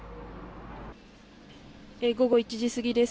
午後１時過ぎです。